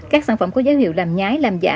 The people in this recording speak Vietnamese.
các sản phẩm có dấu hiệu làm nhái làm giả